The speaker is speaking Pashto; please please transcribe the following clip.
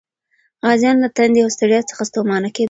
غازیان له تندې او ستړیا څخه ستومانه کېدل.